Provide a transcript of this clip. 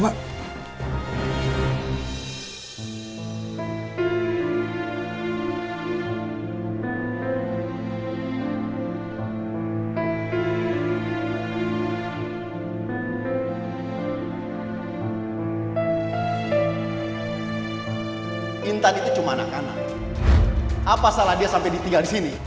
pak emang intan kenapa pak